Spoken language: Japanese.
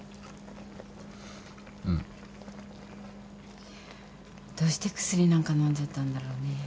うん。どうして薬なんか飲んじゃったんだろうね。